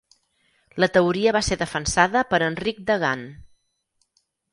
La teoria va ser defensada per Enric de Gant.